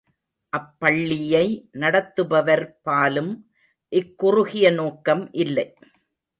அப்பள்ளியை நடத்துபவர்பாலும் இக்குறுகிய நோக்கம் இல்லை.